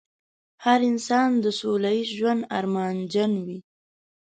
هر انسان د سوله ييز ژوند ارمانجن وي.